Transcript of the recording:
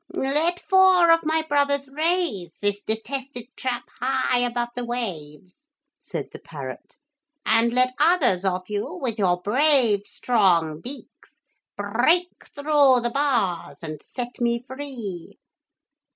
'Let four of my brothers raise this detested trap high above the waves,' said the parrot, 'and let others of you, with your brave strong beaks, break through the bars and set me free.'